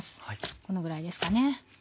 このぐらいですかね。